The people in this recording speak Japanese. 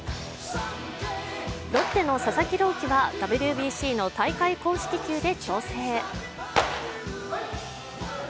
ロッテの佐々木朗希はＷＢＣの大会公式球で調整。